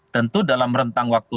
tentu dalam rentang waktu